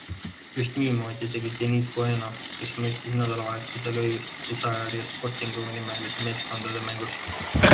Just niimoodi tegi Denise Bueno, kes mõistis nädalavahetusel õigust Desire ja Sportingu nimeliste meeskondade mängus.